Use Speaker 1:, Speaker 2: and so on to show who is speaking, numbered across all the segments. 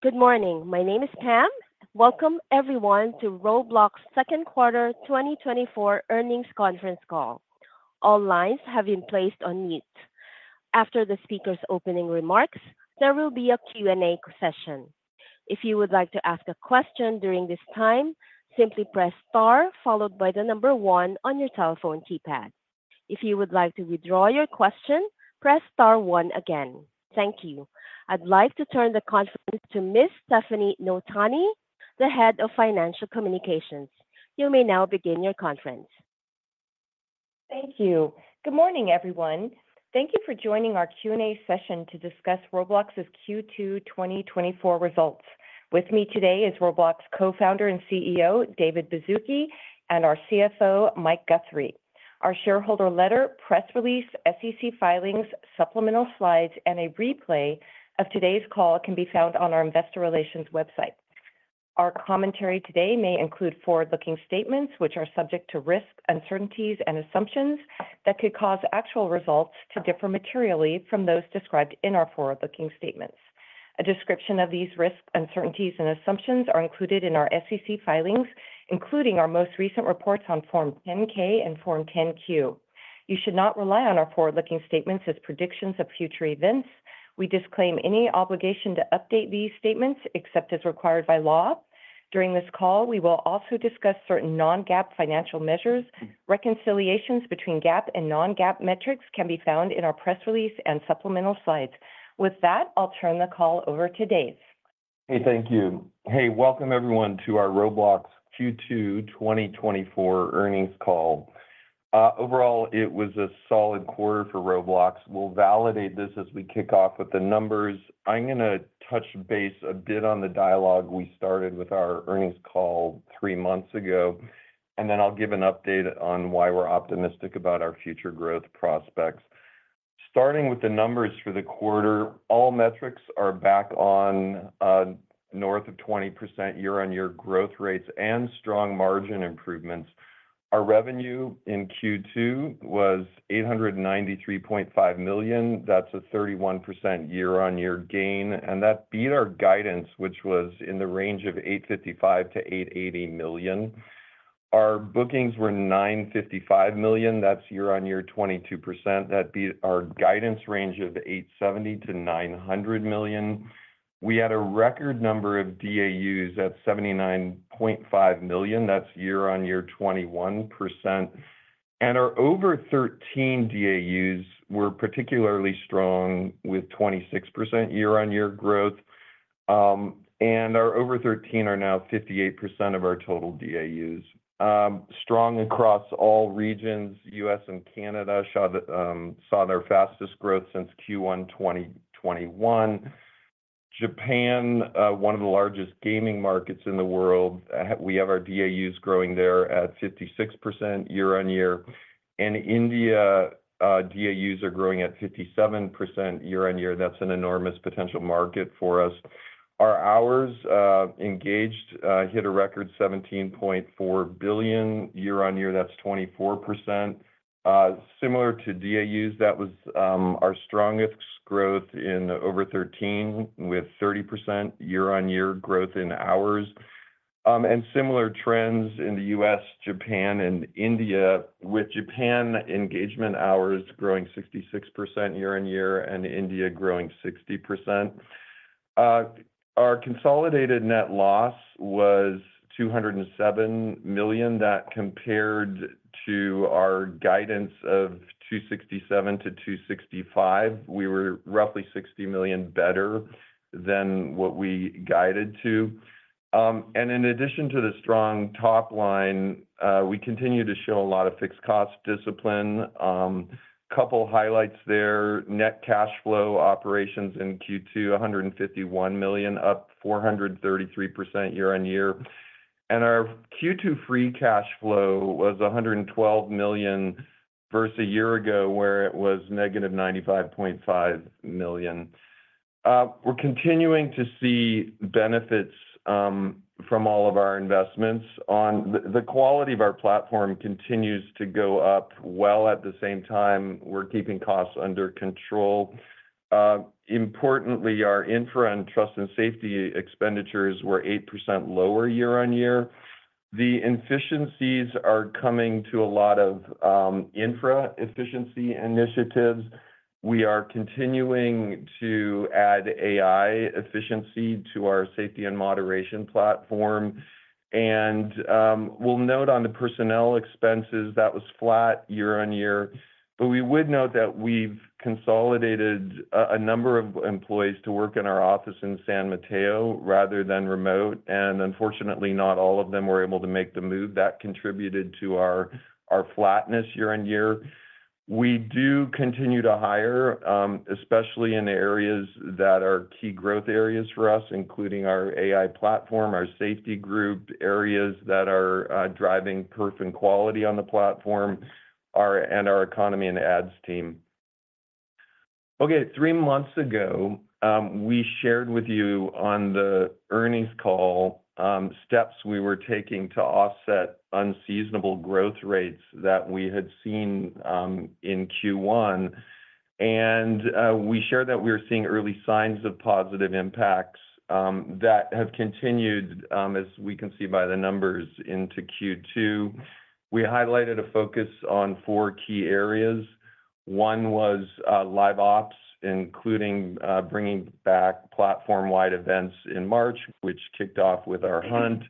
Speaker 1: Good morning. My name is Pam. Welcome everyone to Roblox Second Quarter 2024 Earnings Conference Call. All lines have been placed on mute. After the speaker's opening remarks, there will be a Q&A session. If you would like to ask a question during this time, simply press star followed by the number one on your telephone keypad. If you would like to withdraw your question, press star one again. Thank you. I'd like to turn the conference to Miss Stefanie Notaney, the Head of Financial Communications. You may now begin your conference.
Speaker 2: Thank you. Good morning, everyone. Thank you for joining our Q&A session to discuss Roblox's Q2 2024 results. With me today is Roblox's Co-founder and CEO, David Baszucki, and our CFO, Mike Guthrie. Our shareholder letter, press release, SEC filings, supplemental slides, and a replay of today's call can be found on our investor relations website. Our commentary today may include forward-looking statements, which are subject to risks, uncertainties, and assumptions that could cause actual results to differ materially from those described in our forward-looking statements. A description of these risks, uncertainties, and assumptions are included in our SEC filings, including our most recent reports on Form 10-K and Form 10-Q. You should not rely on our forward-looking statements as predictions of future events. We disclaim any obligation to update these statements except as required by law. During this call, we will also discuss certain non-GAAP financial measures. Reconciliations between GAAP and non-GAAP metrics can be found in our press release and supplemental slides. With that, I'll turn the call over to Dave.
Speaker 3: Hey, thank you. Hey, welcome everyone, to our Roblox Q2 2024 earnings call. Overall, it was a solid quarter for Roblox. We'll validate this as we kick off with the numbers. I'm gonna touch base a bit on the dialogue we started with our earnings call three months ago, and then I'll give an update on why we're optimistic about our future growth prospects. Starting with the numbers for the quarter, all metrics are back on, north of 20% year-on-year growth rates and strong margin improvements. Our revenue in Q2 was $893.5 million. That's a 31% year-on-year gain, and that beat our guidance, which was in the range of $855 million-$880 million. Our bookings were $955 million. That's year-on-year, 22%. That beat our guidance range of $870 million-$900 million. We had a record number of DAUs at 79.5 million. That's 21% year-on-year. And our over thirteen DAUs were particularly strong, with 26% year-on-year growth, and our over thirteen are now 58% of our total DAUs. Strong across all regions, U.S. and Canada saw their fastest growth since Q1 2021. Japan, one of the largest gaming markets in the world, we have our DAUs growing there at 56% year-on-year, and India, DAUs are growing at 57% year-on-year. That's an enormous potential market for us. Our hours engaged hit a record 17.4 billion year-on-year. That's 24%. Similar to DAUs, that was our strongest growth in over thirteen, with 30% year-on-year growth in hours. And similar trends in the U.S., Japan, and India, with Japan engagement hours growing 66% year-over-year and India growing 60%. Our consolidated net loss was $207 million. That compared to our guidance of $267 million-$265 million, we were roughly $60 million better than what we guided to. And in addition to the strong top line, we continue to show a lot of fixed cost discipline. Couple highlights there. Net cash flow operations in Q2, $151 million, up 433% year-over-year. And our Q2 free cash flow was $112 million, versus a year ago, where it was negative $95.5 million. We're continuing to see benefits from all of our investments. On the quality of our platform continues to go up well, at the same time, we're keeping costs under control. Importantly, our infra and trust and safety expenditures were 8% lower year-on-year. The inefficiencies are coming to a lot of, infra efficiency initiatives. We are continuing to add AI efficiency to our safety and moderation platform. And we'll note on the personnel expenses, that was flat year-on-year. But we would note that we've consolidated a number of employees to work in our office in San Mateo rather than remote, and unfortunately, not all of them were able to make the move. That contributed to our flatness year-on-year. We do continue to hire, especially in areas that are key growth areas for us, including our AI platform, our safety group, areas that are driving perf and quality on the platform, and our economy and ads team. Okay, three months ago, we shared with you on the earnings call steps we were taking to offset unseasonable growth rates that we had seen in Q1. And we shared that we were seeing early signs of positive impacts that have continued, as we can see by the numbers into Q2. We highlighted a focus on four key areas. One was Live Ops, including bringing back platform-wide events in March, which kicked off with our Hunt.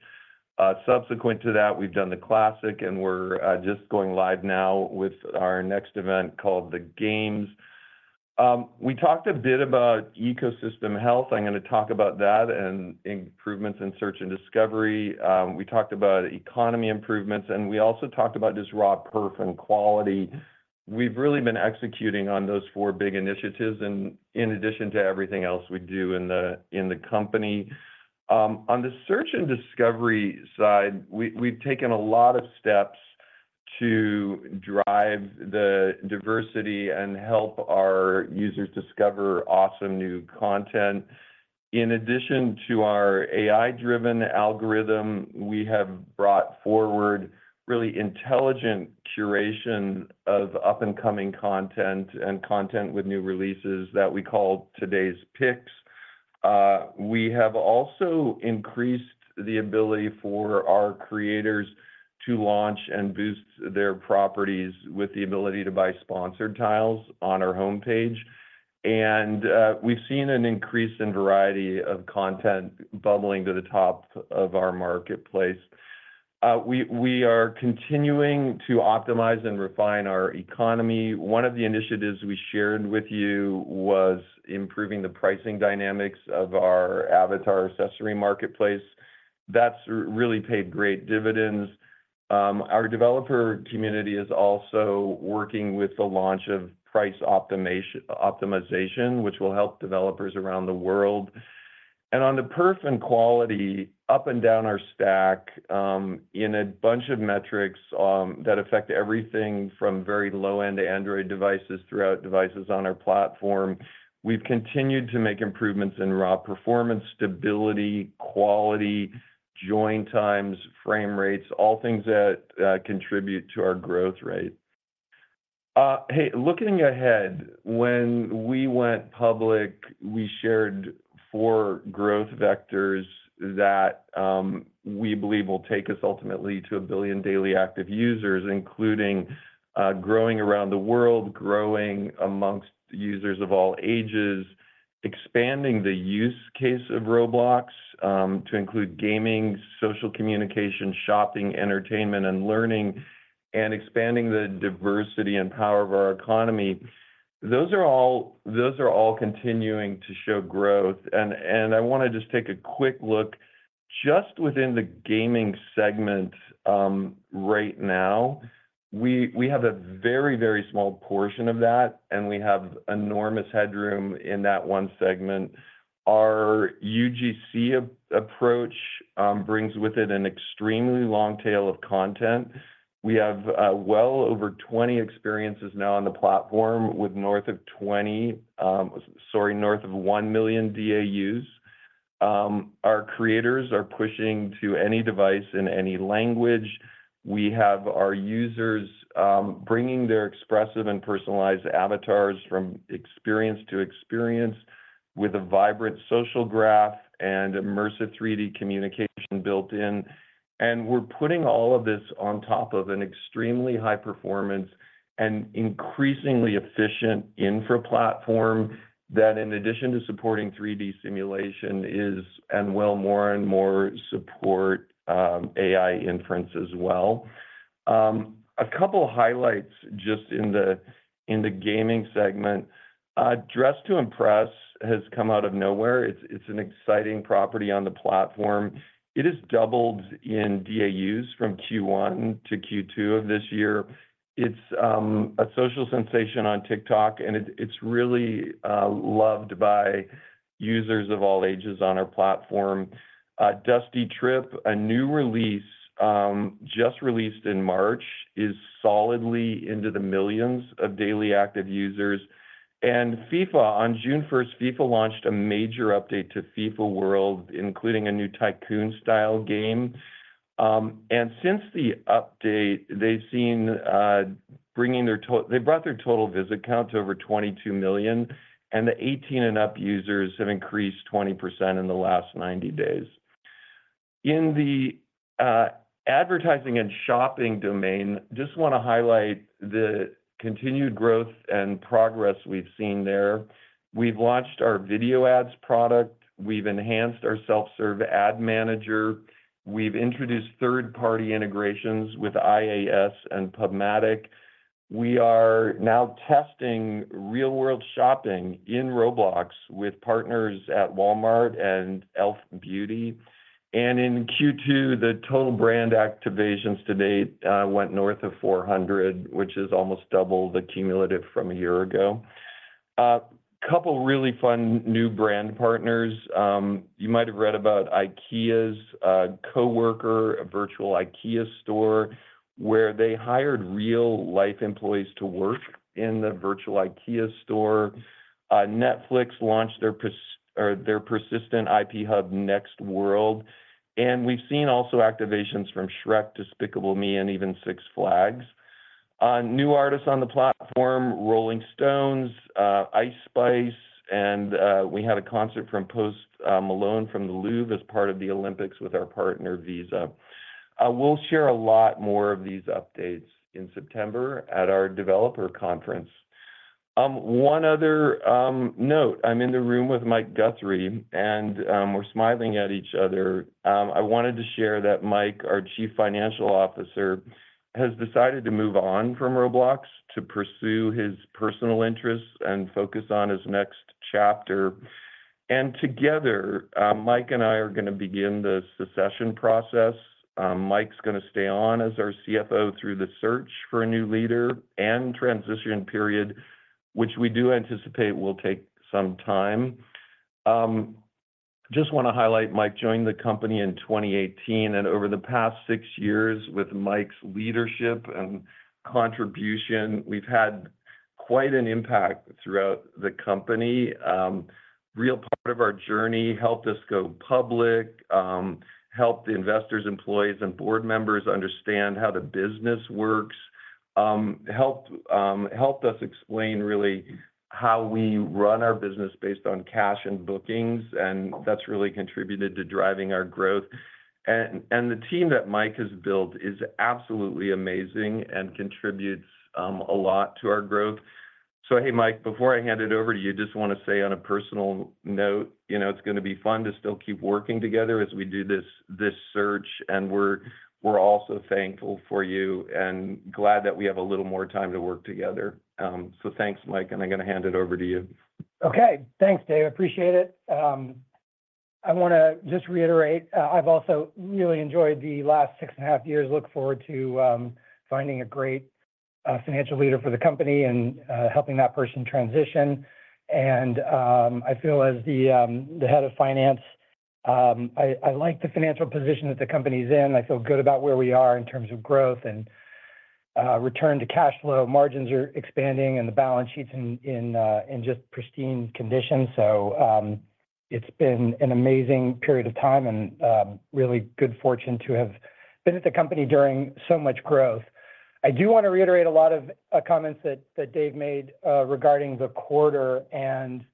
Speaker 3: Subsequent to that, we've done the Classic, and we're just going live now with our next event called The Games. We talked a bit about ecosystem health. I'm gonna talk about that and improvements in search and discovery. We talked about economy improvements, and we also talked about just raw perf and quality. We've really been executing on those four big initiatives and in addition to everything else we do in the company. On the search and discovery side, we've taken a lot of steps to drive the diversity and help our users discover awesome new content. In addition to our AI-driven algorithm, we have brought forward really intelligent curation of up-and-coming content and content with new releases that we call Today's Picks. We have also increased the ability for our creators to launch and boost their properties with the ability to buy sponsored tiles on our homepage. We've seen an increase in variety of content bubbling to the top of our marketplace. We are continuing to optimize and refine our economy. One of the initiatives we shared with you was improving the pricing dynamics of our avatar accessory marketplace. That's really paid great dividends. Our developer community is also working with the launch of price optimization, which will help developers around the world. And on the perf and quality, up and down our stack, in a bunch of metrics, that affect everything from very low-end Android devices throughout devices on our platform, we've continued to make improvements in raw performance, stability, quality, join times, frame rates, all things that contribute to our growth rate. Looking ahead, when we went public, we shared four growth vectors that we believe will take us ultimately to a billion daily active users, including growing around the world, growing among users of all ages, expanding the use case of Roblox to include gaming, social communication, shopping, entertainment, and learning, and expanding the diversity and power of our economy. Those are all continuing to show growth, and I wanna just take a quick look just within the gaming segment right now. We have a very, very small portion of that, and we have enormous headroom in that one segment. Our UGC approach brings with it an extremely long tail of content. We have well over 20 experiences now on the platform with north of 20, sorry, north of 1 million DAUs. Our creators are pushing to any device in any language. We have our users bringing their expressive and personalized avatars from experience to experience with a vibrant social graph and immersive 3D communication built in. And we're putting all of this on top of an extremely high performance and increasingly efficient infra platform that, in addition to supporting 3D simulation, is and will more and more support AI inference as well. A couple highlights just in the gaming segment. Dress To Impress has come out of nowhere. It's an exciting property on the platform. It has doubled in DAUs from Q1 to Q2 of this year. It's a social sensation on TikTok, and it's really loved by users of all ages on our platform. A Dusty Trip, a new release, just released in March, is solidly into the millions of daily active users. FIFA, on June first, launched a major update to FIFA World, including a new tycoon-style game. And since the update, they've seen, they brought their total visit count to over 22 million, and the 18-and-up users have increased 20% in the last 90 days. In the advertising and shopping domain, just wanna highlight the continued growth and progress we've seen there. We've launched our video ads product, we've enhanced our self-serve ad manager, we've introduced third-party integrations with IAS and PubMatic. We are now testing real-world shopping in Roblox with partners at Walmart and e.l.f. Beauty. And in Q2, the total brand activations to date went north of 400, which is almost double the cumulative from a year ago. A couple really fun new brand partners. You might have read about IKEA's Co-Worker, a virtual IKEA store, where they hired real-life employees to work in the virtual IKEA store. Netflix launched their persistent IP hub, Nextworld, and we've seen also activations from Shrek, Despicable Me, and even Six Flags. New artists on the platform, The Rolling Stones, Ice Spice, and we had a concert from Post Malone from The Louvre as part of the Olympics with our partner, Visa. We'll share a lot more of these updates in September at our developer conference. One other note: I'm in the room with Mike Guthrie, and we're smiling at each other. I wanted to share that Mike, our Chief Financial Officer, has decided to move on from Roblox to pursue his personal interests and focus on his next chapter. Together, Mike and I are going to begin the succession process. Mike's going to stay on as our CFO through the search for a new leader and transition period, which we do anticipate will take some time. Just want to highlight, Mike joined the company in 2018, and over the past six years, with Mike's leadership and contribution, we've had quite an impact throughout the company, real part of our journey, helped us go public, helped the investors, employees, and board members understand how the business works, helped us explain really how we run our business based on cash and bookings, and that's really contributed to driving our growth. The team that Mike has built is absolutely amazing and contributes a lot to our growth. So, hey, Mike, before I hand it over to you, just want to say on a personal note, you know, it's going to be fun to still keep working together as we do this, this search, and we're also thankful for you and glad that we have a little more time to work together. So thanks, Mike, and I'm going to hand it over to you.
Speaker 4: Okay. Thanks, Dave. I appreciate it. I want to just reiterate, I've also really enjoyed the last six and a half years. Look forward to finding a great financial leader for the company and helping that person transition. I feel as the head of finance, I like the financial position that the company's in. I feel good about where we are in terms of growth and return to cash flow. Margins are expanding and the balance sheet's in just pristine condition. So, it's been an amazing period of time and really good fortune to have been at the company during so much growth. I do want to reiterate a lot of comments that Dave made regarding the quarter and the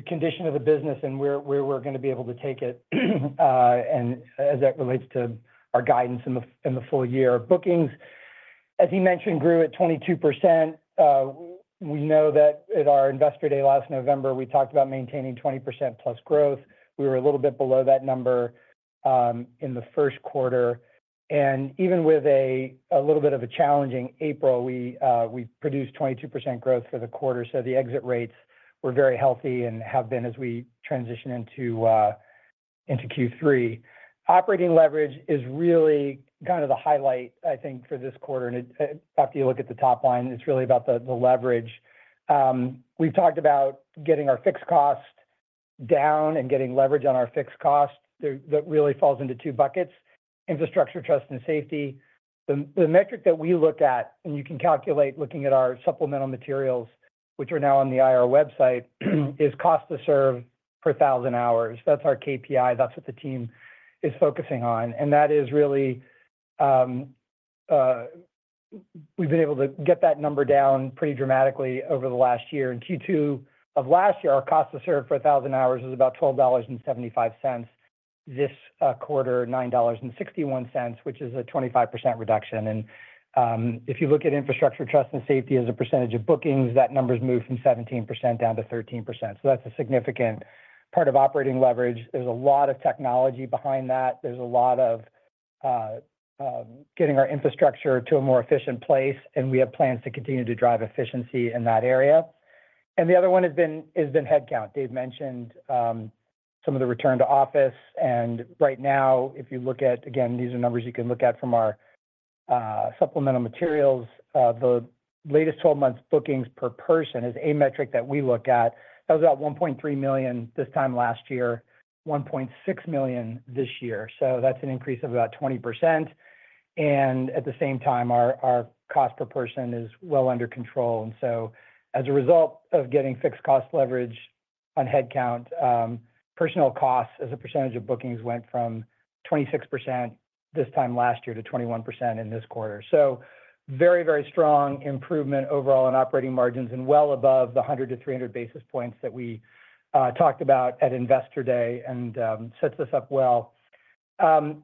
Speaker 4: condition of the business and where we're going to be able to take it and as that relates to our guidance in the full year. Bookings, as he mentioned, grew at 22%. We know that at our Investor Day last November, we talked about maintaining 20%+ growth. We were a little bit below that number in the first quarter, and even with a little bit of a challenging April, we produced 22% growth for the quarter. So the exit rates were very healthy and have been as we transition into Q3. Operating leverage is really kind of the highlight, I think, for this quarter. After you look at the top line, it's really about the leverage. We've talked about getting our fixed cost down and getting leverage on our fixed cost. That really falls into two buckets: infrastructure, trust, and safety. The metric that we look at, and you can calculate looking at our supplemental materials, which are now on the IR website, is cost to serve per thousand hours. That's our KPI. That's what the team is focusing on, and that is really... We've been able to get that number down pretty dramatically over the last year. In Q2 of last year, our cost to serve per thousand hours was about $12.75. This quarter, $9.61, which is a 25% reduction. If you look at infrastructure, trust, and safety as a percentage of bookings, that number has moved from 17% down to 13%. So that's a significant part of operating leverage. There's a lot of technology behind that. There's a lot of getting our infrastructure to a more efficient place, and we have plans to continue to drive efficiency in that area. And the other one has been headcount. Dave mentioned some of the return to office, and right now, if you look at, again, these are numbers you can look at from our supplemental materials. The latest 12 months, bookings per person is a metric that we look at. That was about $1.3 million this time last year, $1.6 million this year. So that's an increase of about 20%, and at the same time, our cost per person is well under control. And so as a result of getting fixed cost leverage on headcount, personnel costs as a percentage of bookings went from 26% this time last year to 21% in this quarter. So very, very strong improvement overall in operating margins and well above the 100 to 300 basis points that we talked about at Investor Day and sets us up well.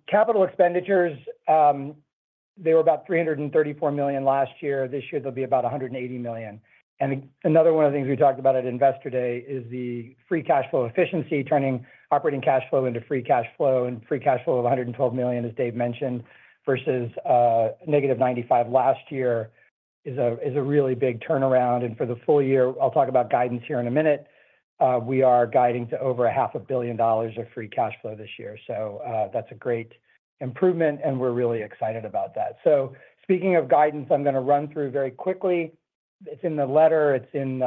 Speaker 4: Capital expenditures, they were about $334 million last year. This year, they'll be about $180 million. And another one of the things we talked about at Investor Day is the free cash flow efficiency, turning operating cash flow into free cash flow. Free cash flow of $112 million, as Dave mentioned, versus negative $95 million last year, is really a big turnaround. For the full year, I'll talk about guidance here in a minute. We are guiding to over $500 million of free cash flow this year, so that's a great improvement, and we're really excited about that. So speaking of guidance, I'm going to run through very quickly. It's in the letter, it's in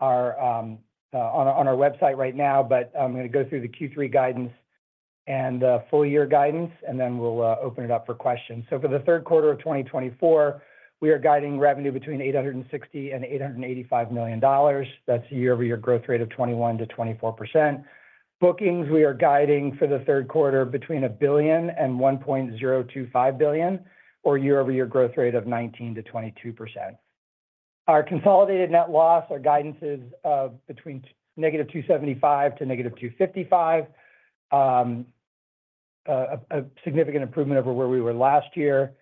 Speaker 4: our website right now, but I'm going to go through the Q3 guidance and the full year guidance, and then we'll open it up for questions. So for the third quarter of 2024, we are guiding revenue between $860 million and $885 million. That's a year-over-year growth rate of 21%-24%. Bookings, we are guiding for the third quarter between $1 billion and $1.025 billion, or year-over-year growth rate of 19%-22%. Our consolidated net loss, our guidance is, between -$275 million and -$255 million. A significant improvement over where we were last year.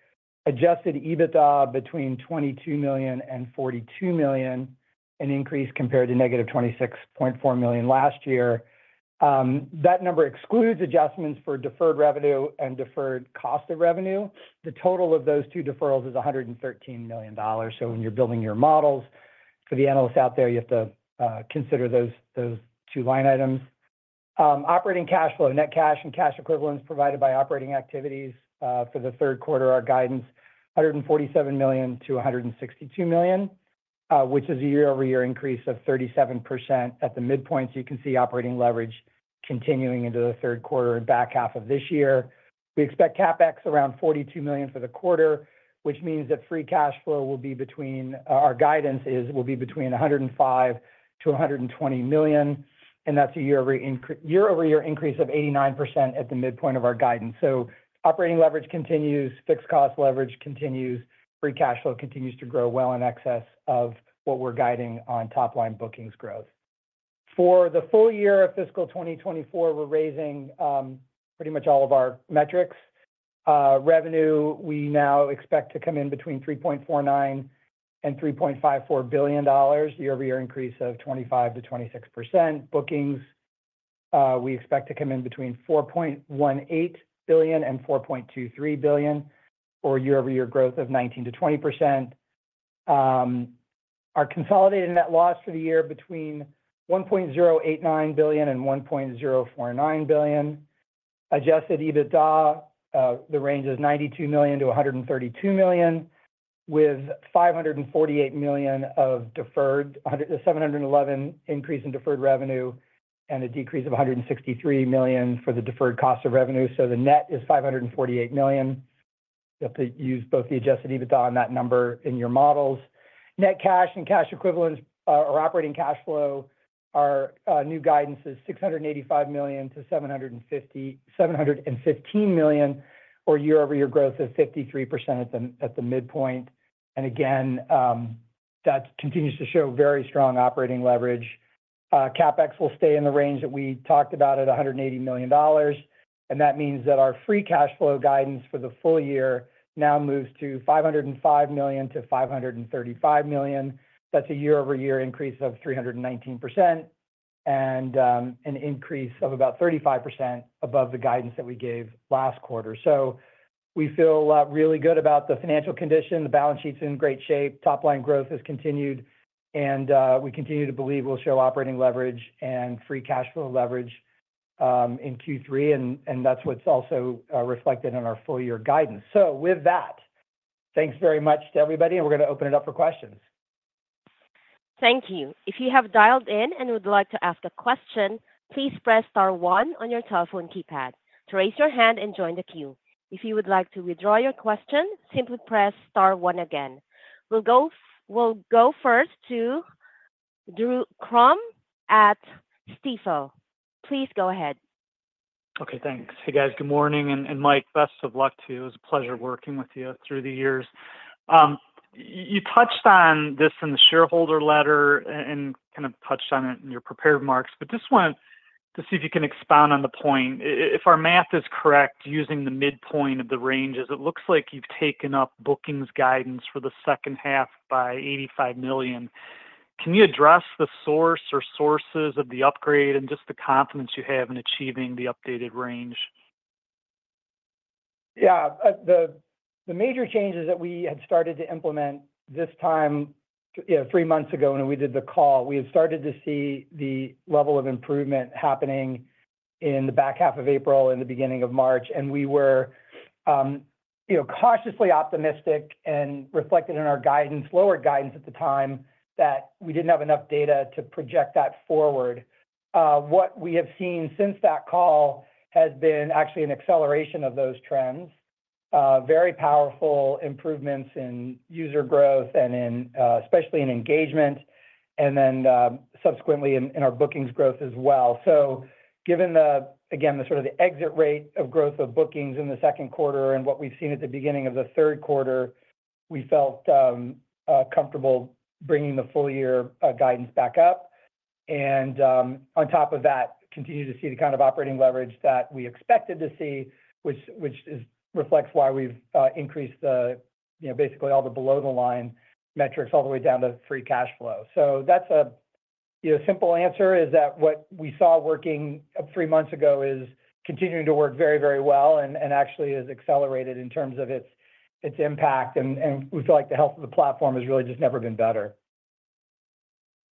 Speaker 4: Adjusted EBITDA between $22 million and $42 million, an increase compared to -$26.4 million last year. That number excludes adjustments for deferred revenue and deferred cost of revenue. The total of those two deferrals is $113 million. So when you're building your models for the analysts out there, you have to consider those two line items. Operating cash flow, net cash, and cash equivalents provided by operating activities for the third quarter, our guidance, $147 million-$162 million, which is a year-over-year increase of 37%. At the midpoint, so you can see operating leverage continuing into the third quarter and back half of this year. We expect CapEx around $42 million for the quarter, which means that free cash flow will be between $105 million-$120 million, and that's a year-over-year increase of 89% at the midpoint of our guidance. So operating leverage continues, fixed cost leverage continues, free cash flow continues to grow well in excess of what we're guiding on top line bookings growth. For the full year of fiscal 2024, we're raising pretty much all of our metrics. Revenue, we now expect to come in between $3.49 billion and $3.54 billion, year-over-year increase of 25%-26%. Bookings, we expect to come in between $4.18 billion and $4.23 billion, or year-over-year growth of 19%-20%. Our consolidated net loss for the year between $1.089 billion and $1.049 billion. Adjusted EBITDA, the range is $92 million-$132 million, with $548 million of deferred, seven hundred and eleven increase in deferred revenue and a decrease of $163 million for the deferred cost of revenue. So the net is $548 million. You have to use both the adjusted EBITDA on that number in your models. Net cash and cash equivalents, or operating cash flow, our new guidance is $685 million-$715 million, or year-over-year growth of 53% at the midpoint. And again, that continues to show very strong operating leverage. CapEx will stay in the range that we talked about at $180 million, and that means that our free cash flow guidance for the full year now moves to $505 million-$535 million. That's a year-over-year increase of 319%, and an increase of about 35% above the guidance that we gave last quarter. So we feel really good about the financial condition. The balance sheet is in great shape. Top line growth has continued, and we continue to believe we'll show operating leverage and free cash flow leverage in Q3, and that's what's also reflected in our full year guidance. So with that, thanks very much to everybody, and we're gonna open it up for questions.
Speaker 1: Thank you. If you have dialed in and would like to ask a question, please press star one on your telephone keypad to raise your hand and join the queue. If you would like to withdraw your question, simply press star one again. We'll go first to Drew Crum at Stifel. Please go ahead.
Speaker 5: Okay, thanks. Hey, guys. Good morning, and Mike, best of luck to you. It was a pleasure working with you through the years. You touched on this in the shareholder letter and kind of touched on it in your prepared remarks, but just wanted to see if you can expound on the point. If our math is correct, using the midpoint of the ranges, it looks like you've taken up bookings guidance for the second half by $85 million. Can you address the source or sources of the upgrade and just the confidence you have in achieving the updated range?
Speaker 4: Yeah. The major changes that we had started to implement this time, you know, three months ago, when we did the call, we had started to see the level of improvement happening in the back half of April and the beginning of March. And we were, you know, cautiously optimistic and reflected in our guidance, lower guidance at the time, that we didn't have enough data to project that forward. What we have seen since that call has been actually an acceleration of those trends. Very powerful improvements in user growth and in, especially in engagement, and then, subsequently in our bookings growth as well. So given the, again, the sort of exit rate of growth of bookings in the second quarter and what we've seen at the beginning of the third quarter, we felt comfortable bringing the full year guidance back up. And on top of that, continue to see the kind of operating leverage that we expected to see, which reflects why we've increased the, you know, basically all the below the line metrics all the way down to free cash flow. So that's a... Your simple answer is that what we saw working up three months ago is continuing to work very, very well and actually has accelerated in terms of its impact, and we feel like the health of the platform has really just never been better.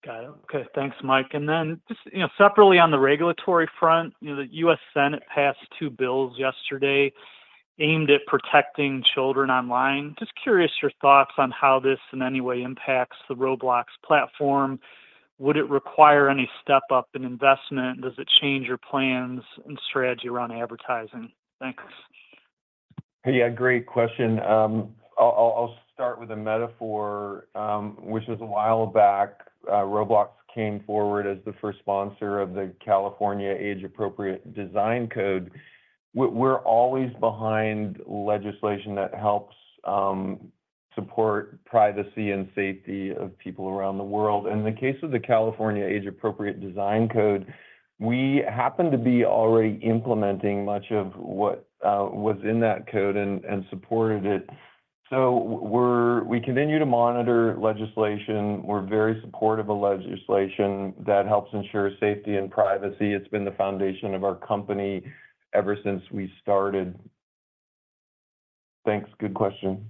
Speaker 5: Got it. Okay. Thanks, Mike. And then just, you know, separately on the regulatory front, you know, the U.S. Senate passed two bills yesterday- aimed at protecting children online. Just curious, your thoughts on how this in any way impacts the Roblox platform? Would it require any step-up in investment? Does it change your plans and strategy around advertising? Thanks.
Speaker 3: Yeah, great question. I'll start with a metaphor, which is a while back, Roblox came forward as the first sponsor of the California Age-Appropriate Design Code. We're always behind legislation that helps support privacy and safety of people around the world. In the case of the California Age-Appropriate Design Code, we happened to be already implementing much of what was in that code and supported it. So we continue to monitor legislation. We're very supportive of legislation that helps ensure safety and privacy. It's been the foundation of our company ever since we started. Thanks. Good question.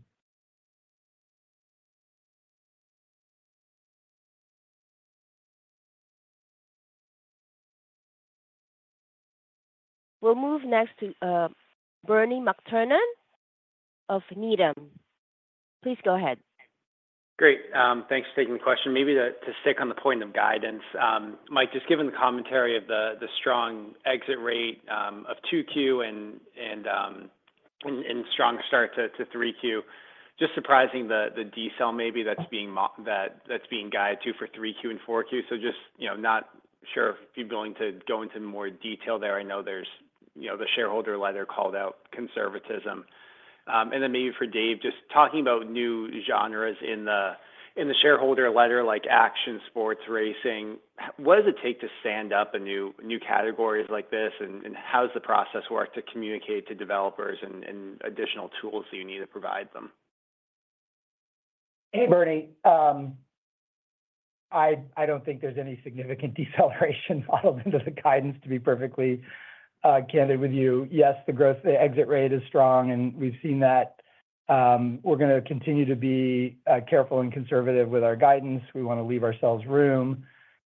Speaker 1: We'll move next to, Bernie McTernan of Needham. Please go ahead.
Speaker 6: Great. Thanks for taking the question. Maybe to stick on the point of guidance, Mike, just given the commentary of the strong exit rate of 2Q and strong start to 3Q, just surprising the decel maybe that's being guided to for 3Q and 4Q. So just, you know, not sure if you're going to go into more detail there. I know there's, you know, the shareholder letter called out conservatism. And then maybe for Dave, just talking about new genres in the shareholder letter, like action, sports, racing, what does it take to stand up new categories like this? And how does the process work to communicate to developers and additional tools that you need to provide them?
Speaker 4: Hey, Bernie. I don't think there's any significant deceleration modeled into the guidance, to be perfectly candid with you. Yes, the growth, the exit rate is strong, and we've seen that. We're going to continue to be careful and conservative with our guidance. We want to leave ourselves room,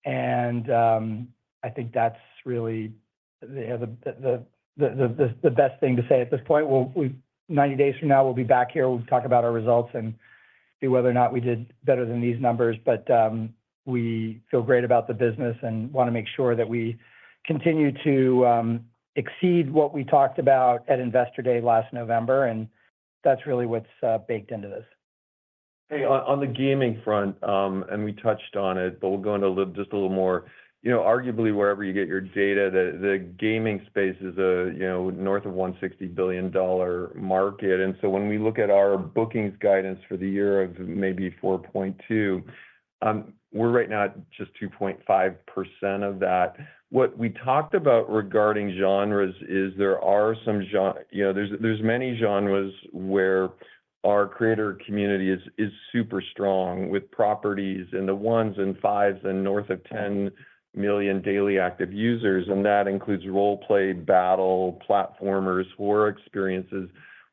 Speaker 4: and I think that's really the best thing to say at this point. Well, 90 days from now, we'll be back here, we'll talk about our results and see whether or not we did better than these numbers. But we feel great about the business and want to make sure that we continue to exceed what we talked about at Investor Day last November, and that's really what's baked into this.
Speaker 3: Hey, on the gaming front, and we touched on it, but we'll go into a little, just a little more. You know, arguably, wherever you get your data, the gaming space is a, you know, north of $160 billion market. So when we look at our bookings guidance for the year of maybe $4.2 billion, we're right now at just 2.5% of that. What we talked about regarding genres is there are some—you know, there's many genres where our creator community is super strong, with properties in the ones and fives and north of 10 million daily active users, and that includes role-play, battle, platformers, horror experiences.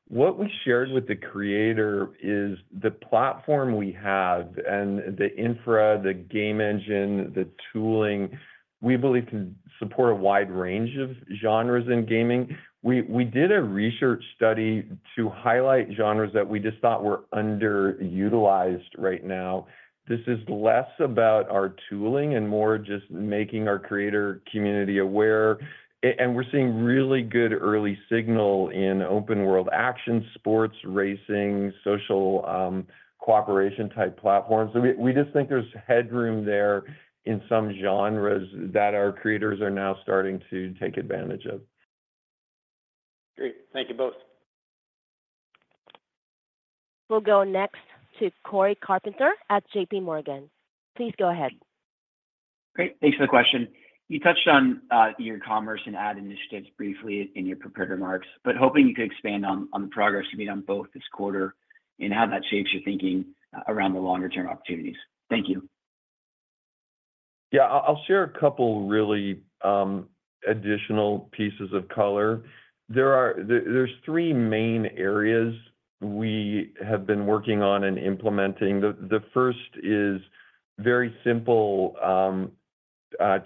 Speaker 3: What we shared with the creator is the platform we have and the infra, the game engine, the tooling, we believe, can support a wide range of genres in gaming. We, we did a research study to highlight genres that we just thought were underutilized right now. This is less about our tooling and more just making our creator community aware. And we're seeing really good early signal in open-world action, sports, racing, social, cooperation-type platforms. So we, we just think there's headroom there in some genres that our creators are now starting to take advantage of.
Speaker 6: Great. Thank you both.
Speaker 1: We'll go next to Cory Carpenter at JPMorgan. Please go ahead.
Speaker 7: Great. Thanks for the question. You touched on, your commerce and ad initiatives briefly in your prepared remarks, but hoping you could expand on the progress you made on both this quarter and how that shapes your thinking around the longer-term opportunities. Thank you.
Speaker 3: Yeah, I'll share a couple really additional pieces of color. There are three main areas we have been working on and implementing. The first is very simple,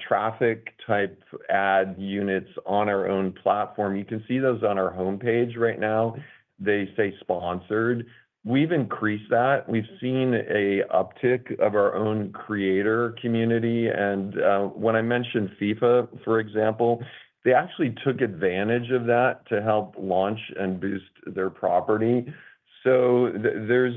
Speaker 3: traffic-type ad units on our own platform. You can see those on our homepage right now. They say, "Sponsored." We've increased that. We've seen an uptick of our own creator community, and when I mentioned FIFA, for example, they actually took advantage of that to help launch and boost their property. So there's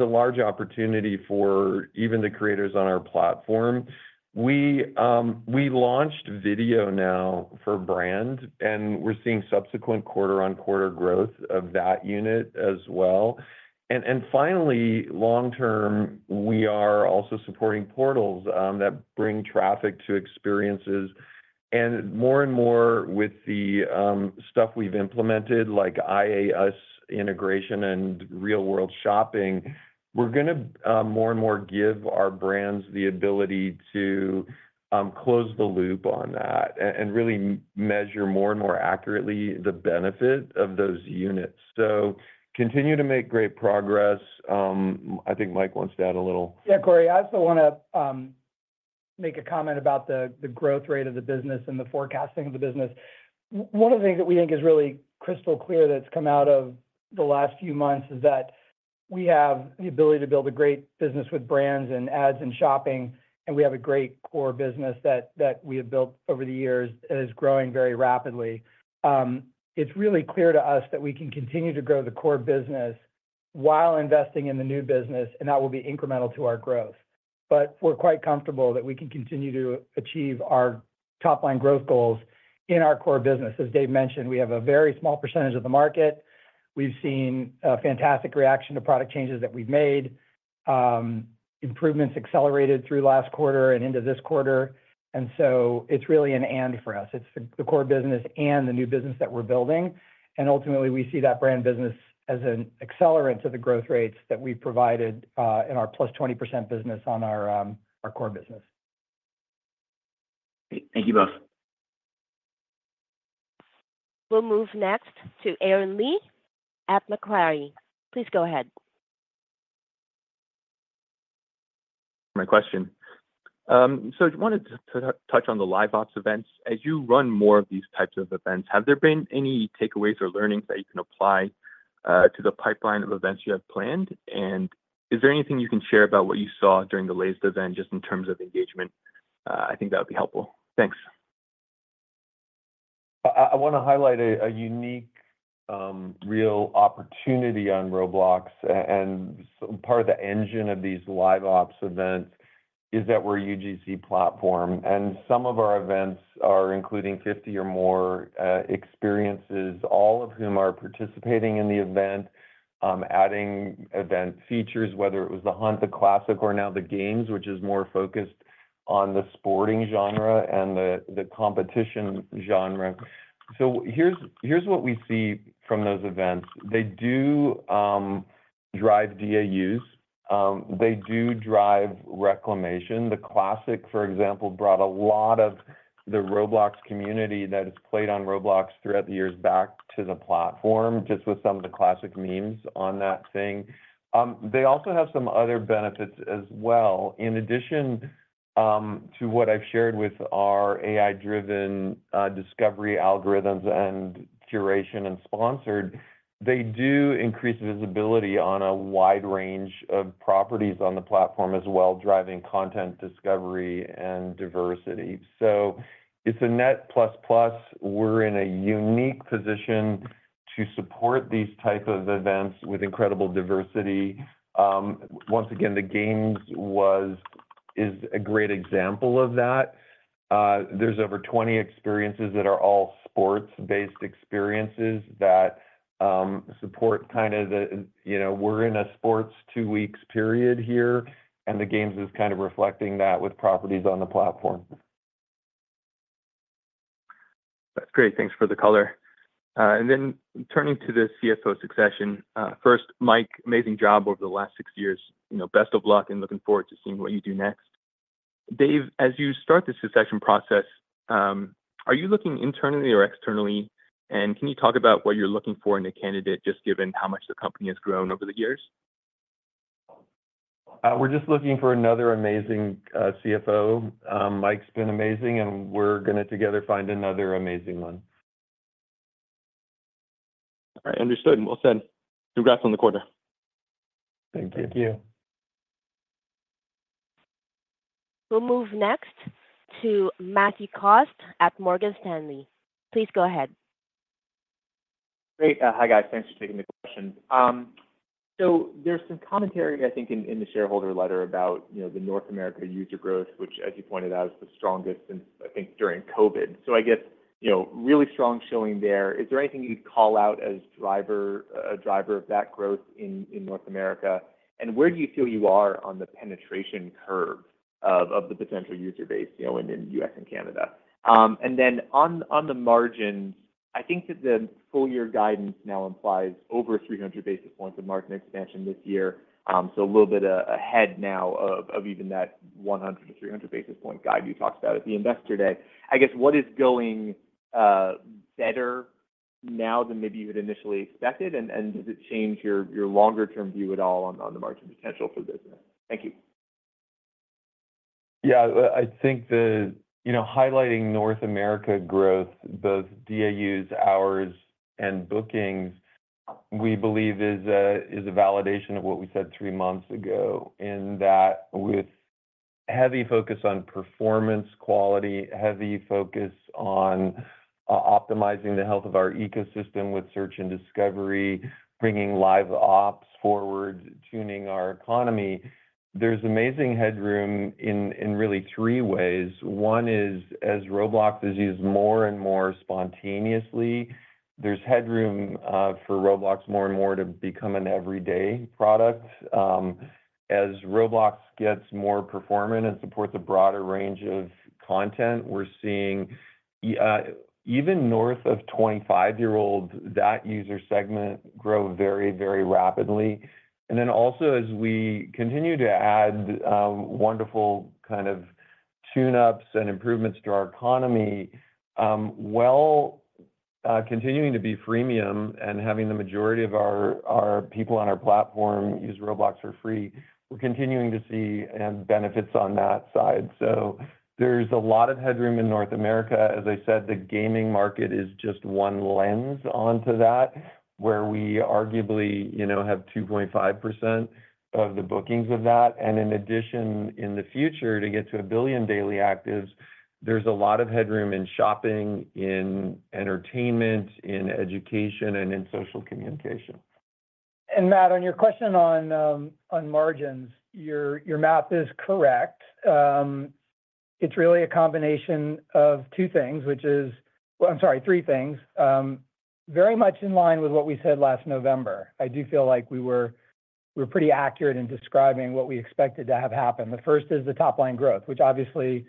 Speaker 3: a large opportunity for even the creators on our platform. We launched video now for brand, and we're seeing subsequent quarter-on-quarter growth of that unit as well. And finally, long term, we are also supporting portals that bring traffic to experiences. And more and more with the stuff we've implemented, like IAS integration and real-world shopping, we're going to more and more give our brands the ability to close the loop on that and really measure more and more accurately the benefit of those units. So continue to make great progress. I think Mike wants to add a little.
Speaker 4: Yeah, Cory, I also want to make a comment about the growth rate of the business and the forecasting of the business. One of the things that we think is really crystal clear that's come out of the last few months is that we have the ability to build a great business with brands, and ads, and shopping, and we have a great core business that we have built over the years, and is growing very rapidly. It's really clear to us that we can continue to grow the core business while investing in the new business, and that will be incremental to our growth. But we're quite comfortable that we can continue to achieve our top-line growth goals in our core business. As Dave mentioned, we have a very small percentage of the market. We've seen a fantastic reaction to product changes that we've made. Improvements accelerated through last quarter and into this quarter, and so it's really an "and" for us. It's the, the core business and the new business that we're building, and ultimately, we see that brand business as an accelerant to the growth rates that we provided in our plus 20% business on our, our core business.
Speaker 7: Thank you both.
Speaker 1: We'll move next to Aaron Lee at Macquarie. Please go ahead.
Speaker 8: My question. So I wanted to touch on the Live Ops events. As you run more of these types of events, have there been any takeaways or learnings that you can apply to the pipeline of events you have planned? And is there anything you can share about what you saw during the latest event, just in terms of engagement? I think that would be helpful. Thanks.
Speaker 3: I wanna highlight a unique real opportunity on Roblox, and part of the engine of these Live Ops events is that we're a UGC platform, and some of our events are including 50 or more experiences, all of whom are participating in the event, adding event features, whether it was the Hunt, the Classic, or now the Games, which is more focused on the sporting genre and the competition genre. So here's what we see from those events. They do drive DAUs. They do drive reclamation. The Classic, for example, brought a lot of the Roblox community that has played on Roblox throughout the years back to the platform, just with some of the classic memes on that thing. They also have some other benefits as well. In addition, to what I've shared with our AI-driven discovery algorithms and curation and sponsored, they do increase visibility on a wide range of properties on the platform as well, driving content discovery and diversity. So it's a net plus, plus. We're in a unique position to support these type of events with incredible diversity. Once again, The Games was—is a great example of that. There's over 20 experiences that are all sports-based experiences, that support kind of the... You know, we're in a sports two weeks period here, and The Games is kind of reflecting that with properties on the platform.
Speaker 8: That's great. Thanks for the color. And then turning to the CFO succession. First, Mike, amazing job over the last six years. You know, best of luck, and looking forward to seeing what you do next. Dave, as you start the succession process, are you looking internally or externally? And can you talk about what you're looking for in a candidate, just given how much the company has grown over the years?
Speaker 3: We're just looking for another amazing CFO. Mike's been amazing, and we're gonna, together, find another amazing one.
Speaker 8: All right. Understood. Well said. Congrats on the quarter.
Speaker 3: Thank you.
Speaker 4: Thank you.
Speaker 1: We'll move next to Matthew Cost at Morgan Stanley. Please go ahead.
Speaker 9: Great. Hi, guys. Thanks for taking the question. So there's some commentary, I think, in the shareholder letter about, you know, the North America user growth, which, as you pointed out, is the strongest since, I think, during COVID. So I guess, you know, really strong showing there. Is there anything you'd call out as driver-- a driver of that growth in North America, and where do you feel you are on the penetration curve of the potential user base, you know, in the U.S. and Canada? And then on the margins, I think that the full year guidance now implies over 300 basis points of margin expansion this year. So a little bit ahead now of even that 100-300 basis point guide you talked about at the Investor Day. I guess, what is going better now than maybe you had initially expected? And does it change your longer term view at all on the margin potential for the business? Thank you.
Speaker 3: Yeah, I think the... You know, highlighting North America growth, both DAUs, hours, and bookings, we believe is a validation of what we said three months ago, in that with heavy focus on performance quality, heavy focus on optimizing the health of our ecosystem with search and discovery, bringing Live Ops forward, tuning our economy, there's amazing headroom in really three ways. One is, as Roblox is used more and more spontaneously, there's headroom for Roblox more and more to become an everyday product. As Roblox gets more performant and supports a broader range of content, we're seeing even north of 25-year-olds, that user segment grow very, very rapidly. And then also, as we continue to add wonderful kind of tune-ups and improvements to our economy, well-... Continuing to be freemium and having the majority of our people on our platform use Roblox for free, we're continuing to see and benefits on that side. So there's a lot of headroom in North America. As I said, the gaming market is just one lens onto that, where we arguably, you know, have 2.5% of the bookings of that. And in addition, in the future, to get to 1 billion daily actives, there's a lot of headroom in shopping, in entertainment, in education, and in social communication.
Speaker 4: And Matt, on your question on, on margins, your math is correct. It's really a combination of two things, which is, well, I'm sorry, three things. Very much in line with what we said last November. I do feel like we were pretty accurate in describing what we expected to have happen. The first is the top line growth, which obviously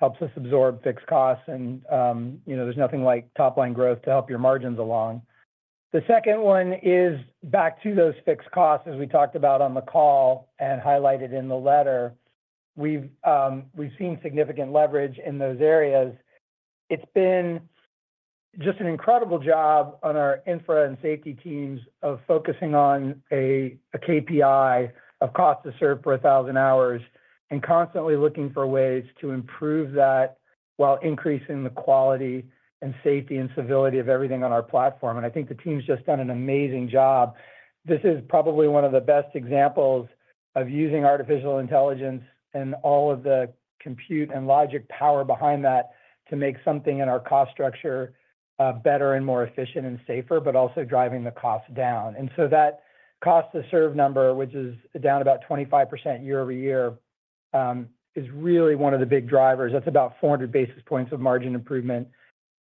Speaker 4: helps us absorb fixed costs and, you know, there's nothing like top line growth to help your margins along. The second one is back to those fixed costs, as we talked about on the call and highlighted in the letter. We've seen significant leverage in those areas. It's been just an incredible job on our infra and safety teams of focusing on a KPI of cost to serve for 1,000 hours, and constantly looking for ways to improve that while increasing the quality and safety and civility of everything on our platform. And I think the team's just done an amazing job. This is probably one of the best examples of using artificial intelligence and all of the compute and logic power behind that to make something in our cost structure better and more efficient and safer, but also driving the cost down. And so that cost to serve number, which is down about 25% year-over-year, is really one of the big drivers. That's about 400 basis points of margin improvement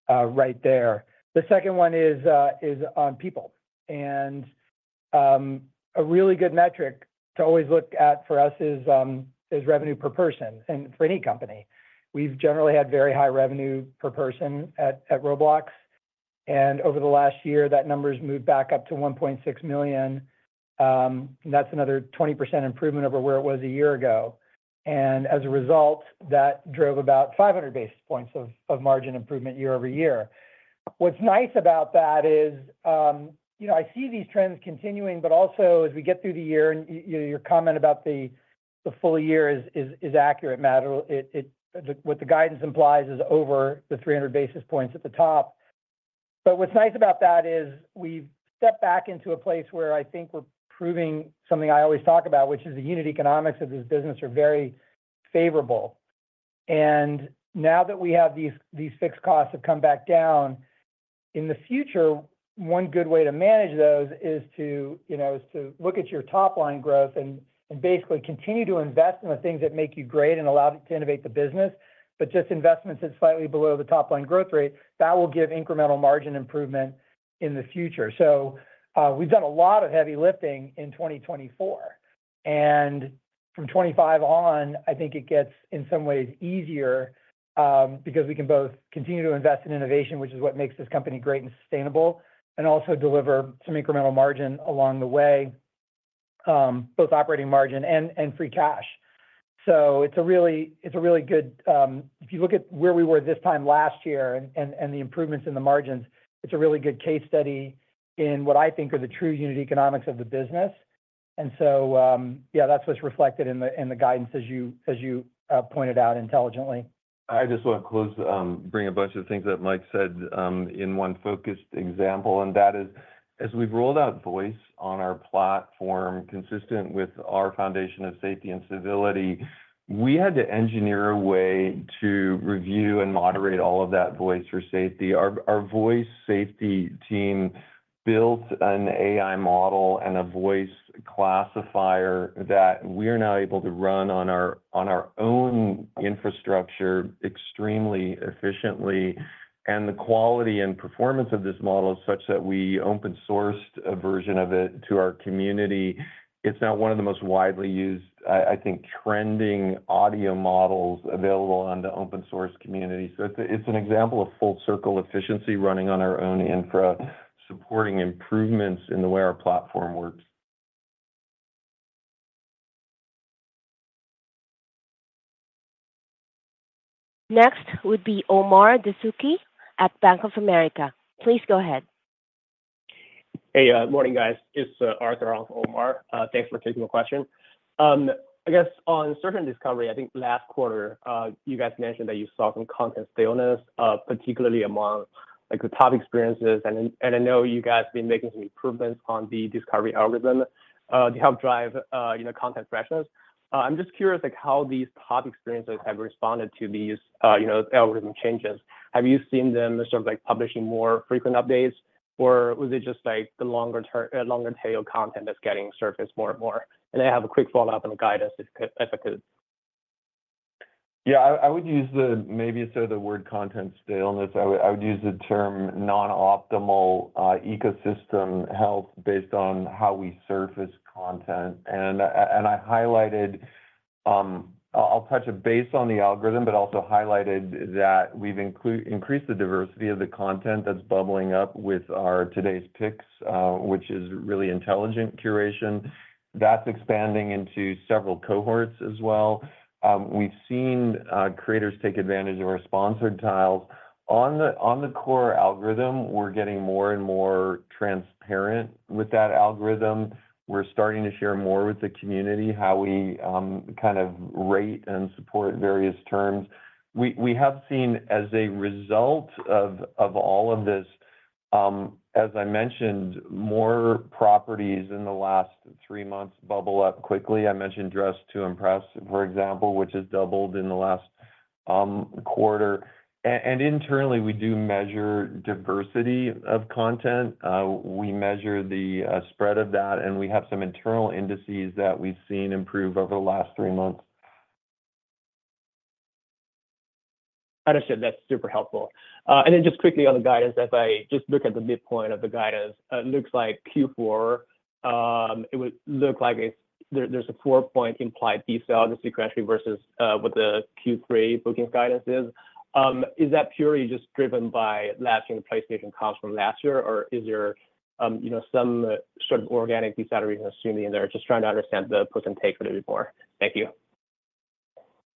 Speaker 4: right there. The second one is on people. And, a really good metric to always look at for us is, is revenue per person, and for any company. We've generally had very high revenue per person at, at Roblox, and over the last year, that number's moved back up to $1.6 million. That's another 20% improvement over where it was a year ago. And as a result, that drove about 500 basis points of, of margin improvement year-over-year. What's nice about that is, you know, I see these trends continuing, but also as we get through the year, and your comment about the, the full year is, is, is accurate, Matt. It, it-- what the guidance implies is over the 300 basis points at the top. But what's nice about that is we've stepped back into a place where I think we're proving something I always talk about, which is the unit economics of this business are very favorable. Now that we have these fixed costs have come back down, in the future, one good way to manage those is to, you know, is to look at your top line growth and basically continue to invest in the things that make you great and allow you to innovate the business, but just investments at slightly below the top line growth rate, that will give incremental margin improvement in the future. So, we've done a lot of heavy lifting in 2024, and from 2025 on, I think it gets, in some ways, easier, because we can both continue to invest in innovation, which is what makes this company great and sustainable, and also deliver some incremental margin along the way, both operating margin and free cash. So it's a really, it's a really good. If you look at where we were this time last year and the improvements in the margins, it's a really good case study in what I think are the true unit economics of the business. And so, yeah, that's what's reflected in the guidance, as you pointed out intelligently.
Speaker 3: I just want to close, bring a bunch of things that Mike said, in one focused example, and that is, as we've rolled out voice on our platform, consistent with our foundation of safety and civility, we had to engineer a way to review and moderate all of that voice for safety. Our voice safety team built an AI model and a voice classifier that we're now able to run on our own infrastructure extremely efficiently. And the quality and performance of this model is such that we open-sourced a version of it to our community. It's now one of the most widely used, I think, trending audio models available on the open source community. So it's an example of full circle efficiency running on our own infra, supporting improvements in the way our platform works.
Speaker 1: Next would be Omar Dessouky at Bank of America. Please go ahead.
Speaker 10: Hey, morning, guys. It's Arthur, not Omar. Thanks for taking the question. I guess on certain discovery, I think last quarter, you guys mentioned that you saw some content stillness, particularly among, like, the top experiences. And, and I know you guys have been making some improvements on the discovery algorithm, to help drive, you know, content freshness. I'm just curious, like, how these top experiences have responded to these, you know, algorithm changes. Have you seen them sort of, like, publishing more frequent updates, or was it just, like, the longer tail content that's getting surfaced more and more? And I have a quick follow-up on the guidance, if I could.
Speaker 3: Yeah, I would use the, maybe instead of the word content stillness, I would use the term non-optimal ecosystem health based on how we surface content. And I highlighted... I'll touch base on the algorithm, but also highlighted that we've increased the diversity of the content that's bubbling up with our Today's Picks, which is really intelligent curation. That's expanding into several cohorts as well. We've seen creators take advantage of our sponsored tiles. On the core algorithm, we're getting more and more transparent with that algorithm. We're starting to share more with the community, how we kind of rate and support various terms. We have seen, as a result of all of this, as I mentioned, more properties in the last three months bubble up quickly. I mentioned Dress To Impress, for example, which has doubled in the last quarter. And internally, we do measure diversity of content. We measure the spread of that, and we have some internal indices that we've seen improve over the last three months.
Speaker 10: Understood. That's super helpful. And then just quickly on the guidance, as I just look at the midpoint of the guidance, it looks like Q4, it would look like there's a 4-point implied decel sequentially versus what the Q3 booking guidance is. Is that purely just driven by lasting PlayStation comps from last year, or is there, you know, some sort of organic decel that I'm assuming in there? Just trying to understand the puts and takes a little more. Thank you.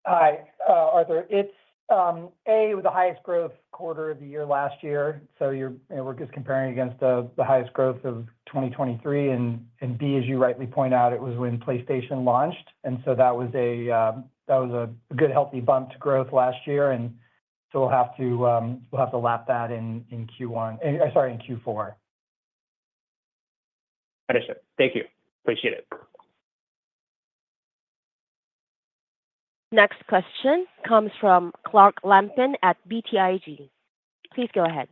Speaker 4: Hi, Arthur. It's A, with the highest growth quarter of the year last year, so you're, and we're just comparing against the highest growth of 2023. And B, as you rightly point out, it was when PlayStation launched, and so that was a good, healthy bump to growth last year. And so we'll have to lap that in Q1, sorry, in Q4.
Speaker 10: Understood. Thank you. Appreciate it.
Speaker 1: Next question comes from Clark Lampen at BTIG. Please go ahead.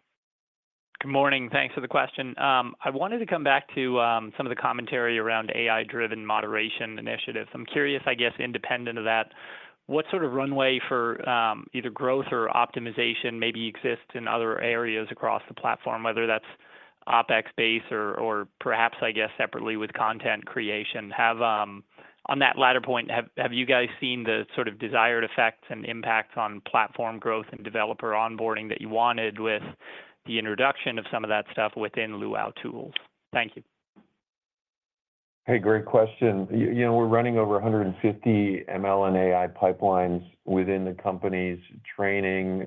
Speaker 11: Good morning. Thanks for the question. I wanted to come back to some of the commentary around AI-driven moderation initiatives. I'm curious, I guess, independent of that, what sort of runway for either growth or optimization maybe exists in other areas across the platform, whether that's OpEx base or, or perhaps, I guess, separately with content creation? Have, on that latter point, have, have you guys seen the sort of desired effects and impacts on platform growth and developer onboarding that you wanted with the introduction of some of that stuff within Luau tools? Thank you.
Speaker 3: Hey, great question. You know, we're running over 150 ML and AI pipelines within the company's training,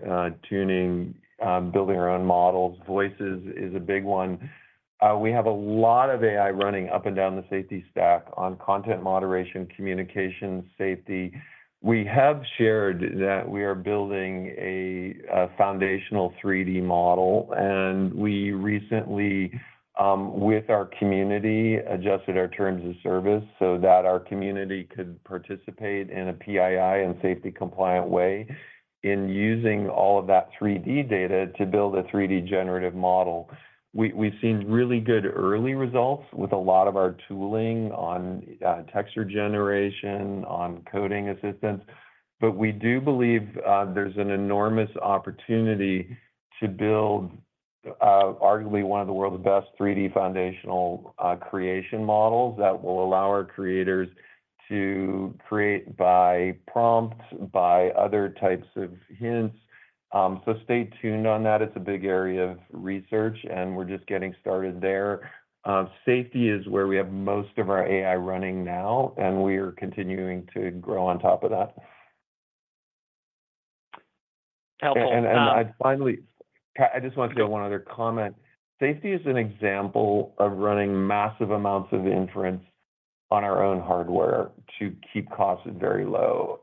Speaker 3: tuning, building our own models. Voices is a big one. We have a lot of AI running up and more down the safety stack on content moderation, communication, safety. We have shared that we are building a foundational 3D model, and we recently, with our community, adjusted our terms of service so that our community could participate in a PII and safety compliant way in using all of that 3D data to build a 3D generative model. We've seen really good early results with a lot of our tooling on texture generation, on coding assistance, but we do believe there's an enormous opportunity to build arguably one of the world's best 3D foundational creation models that will allow our creators to create by prompt, by other types of hints. So stay tuned on that. It's a big area of research, and we're just getting started there. Safety is where we have most of our AI running now, and we are continuing to grow on top of that.
Speaker 11: Helpful, um-
Speaker 3: I just want to give one other comment. Safety is an example of running massive amounts of inference on our own hardware to keep costs very low.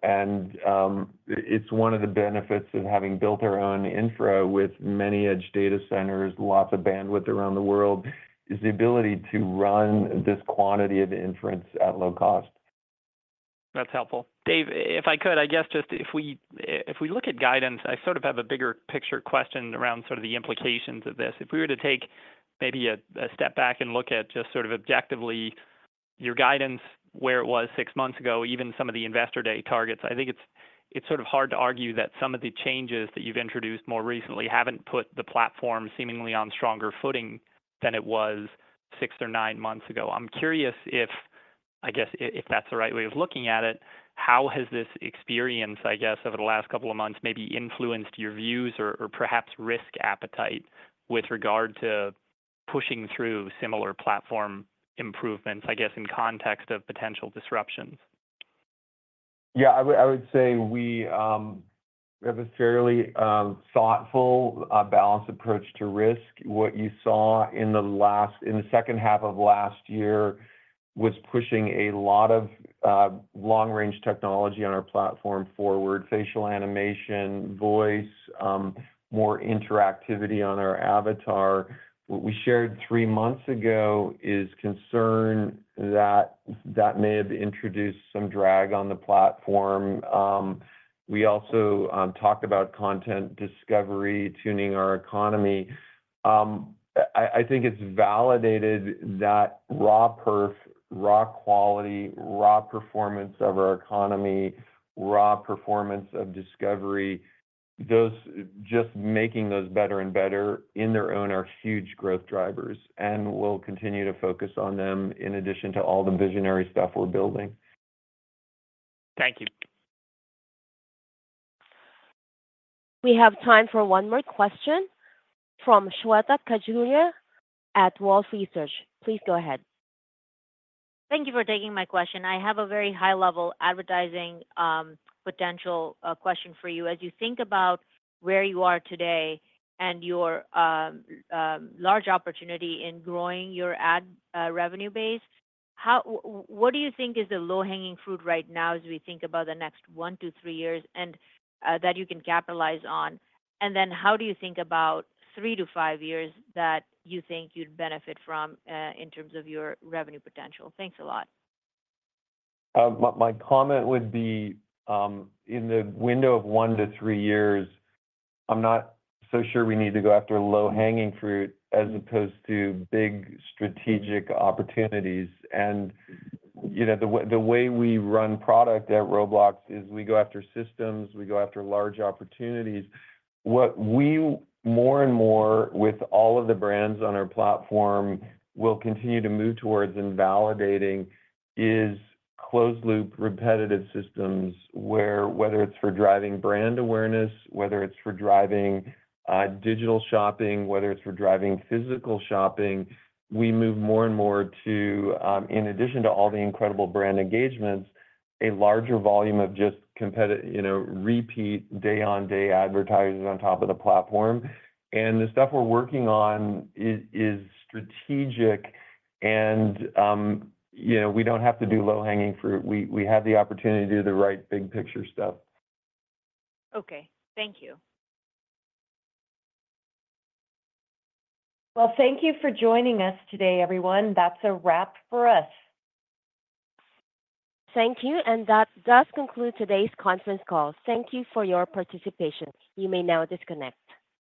Speaker 3: It's one of the benefits of having built our own infra with many edge data centers, lots of bandwidth around the world, is the ability to run this quantity of inference at low cost.
Speaker 11: That's helpful. Dave, if I could, I guess, just if we, if we look at guidance, I sort of have a bigger picture question around sort of the implications of this. If we were to take maybe a, a step back and look at just sort of objectively your guidance, where it was six months ago, even some of the Investor Day targets, I think it's, it's sort of hard to argue that some of the changes that you've introduced more recently haven't put the platform seemingly on stronger footing than it was six or nine months ago. I'm curious if, I guess, if, if that's the right way of looking at it, how has this experience, I guess, over the last couple of months, maybe influenced your views or, or perhaps risk appetite with regard to pushing through similar platform improvements, I guess, in context of potential disruptions?
Speaker 3: Yeah, I would, I would say we have a fairly thoughtful balanced approach to risk. What you saw in the second half of last year was pushing a lot of long-range technology on our platform forward: facial animation, voice, more interactivity on our avatar. What we shared three months ago is concern that that may have introduced some drag on the platform. We also talked about content discovery, tuning our economy. I, I think it's validated that raw perf, raw quality, raw performance of our economy, raw performance of discovery, those just making those better and better in their own are huge growth drivers, and we'll continue to focus on them in addition to all the visionary stuff we're building.
Speaker 11: Thank you.
Speaker 1: We have time for one more question from Shweta Khajuria at Wolfe Research. Please go ahead.
Speaker 12: Thank you for taking my question. I have a very high-level advertising potential question for you. As you think about where you are today and your large opportunity in growing your ad revenue base, what do you think is the low-hanging fruit right now as we think about the next one to three years, and that you can capitalize on? And then how do you think about three to five years that you think you'd benefit from in terms of your revenue potential? Thanks a lot.
Speaker 3: My comment would be, in the window of one to three years, I'm not so sure we need to go after low-hanging fruit as opposed to big strategic opportunities. And, you know, the way we run product at Roblox is we go after systems, we go after large opportunities. What we more and more with all of the brands on our platform will continue to move towards and validating is closed-loop, repetitive systems, where whether it's for driving brand awareness, whether it's for driving digital shopping, whether it's for driving physical shopping, we move more and more to, in addition to all the incredible brand engagements, a larger volume of just competitive, you know, repeat day-on-day advertising on top of the platform. And the stuff we're working on is strategic, and, you know, we don't have to do low-hanging fruit. We have the opportunity to do the right big picture stuff.
Speaker 12: Okay. Thank you.
Speaker 2: Well, thank you for joining us today, everyone. That's a wrap for us.
Speaker 1: Thank you, and that does conclude today's conference call. Thank you for your participation. You may now disconnect.